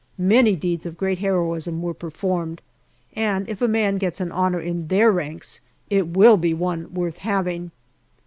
Many deeds of great heroism were performed, and if a man gets an honour in their ranks it will be one worth having.